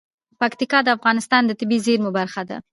پکتیکا د افغانستان د طبیعي زیرمو برخه ده.